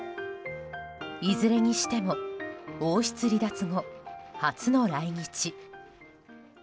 いずれにしても王室離脱後初の来日。